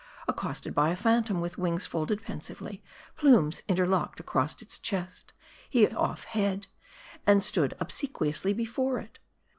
Accosted by a phantom, with wings folded pensively, plumes interlocked across its chest, he off head ; and stood obsequiously before it.